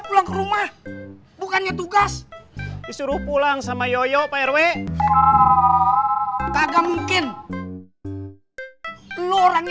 pulang rumah bukannya tugas disuruh pulang sama yoyo perwe kagak mungkin lu orangnya